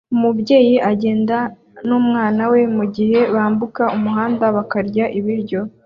Umubyeyi agenda n'umwana we mugihe bambuka umuhanda bakarya ibiryo